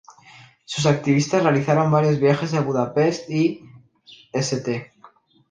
Sus activistas realizaron varios viajes a Budapest y St.